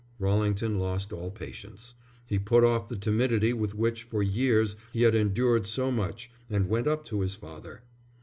Rallington lost all patience. He put off the timidity with which for years he had endured so much and went up to his father.